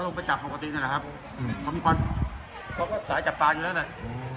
ไปจับปกตินั่นแหละครับอืมเขามีความเขาก็สายจับปลาอยู่แล้วแหละ